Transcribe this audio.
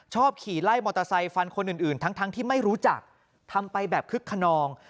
ขี่ไล่มอเตอร์ไซค์ฟันคนอื่นทั้งที่ไม่รู้จักทำไปแบบคึกขนอง